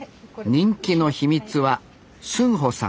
人気の秘密はスンホさん